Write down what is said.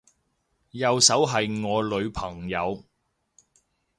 右手係我女朋友